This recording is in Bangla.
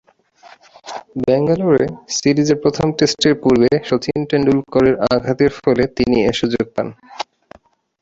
ব্যাঙ্গালোরে সিরিজের প্রথম টেস্টের পূর্বে শচীন তেন্ডুলকরের আঘাতের ফলে তিনি এ সুযোগ পান।